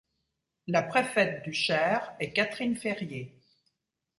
La préfète du Cher est Catherine Ferrier.